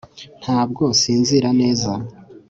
ntabwo nsinzira neza